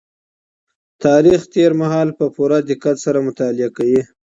تاريخ تېر مهال په پوره دقت سره مطالعه کوي.